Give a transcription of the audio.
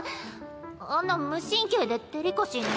あんな無神経でデリカシーのない。